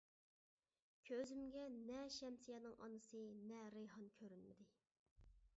كۆزۈمگە نە شەمسىيەنىڭ ئانىسى نە رەيھان كۆرۈنمىدى.